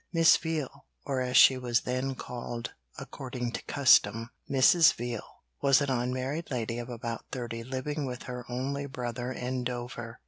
Miss Veal, or as she was then called according to custom, Mrs. Veal, was an unmarried lady of about thirty living with her only brother in Dover.